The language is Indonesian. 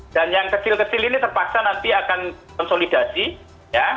dan yang kecil kecil ini terpaksa nanti akan konsolidasi ya